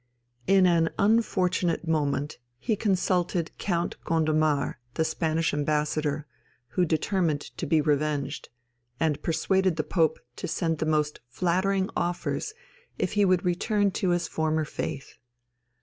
In an unfortunate moment he insulted Count Gondomar, the Spanish Ambassador, who determined to be revenged, and persuaded the Pope to send the most flattering offers if he would return to his former faith.